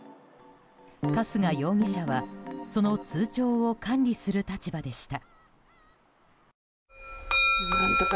春日容疑者はその通帳を管理する立場でした。